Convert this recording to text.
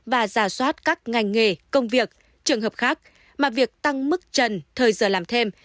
và giả soát các ngành nghề công việc trường hợp khác mà việc tăng mức trần thời giờ làm thêm